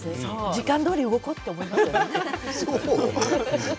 時間どおりに動こうと思いますよ。